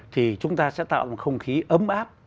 thì chúng ta sẽ tạo một không khí ấm áp